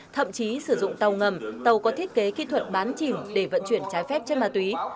thậm chí sử dụng tàu ngầm tàu có thiết kế kỹ thuật bán chìm để vận chuyển trái phép chất ma túy